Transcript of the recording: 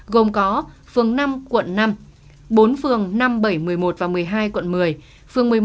gồm có phường năm quận năm bốn phường năm bảy một mươi một và một mươi hai quận một mươi